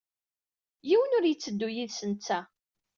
Yiwen ur yetteddu yid-s netta.